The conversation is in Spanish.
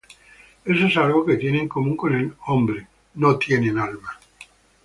Eso es algo que tienen en común con el hombre", "No tienen alma.